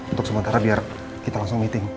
untuk sementara biar kita langsung meeting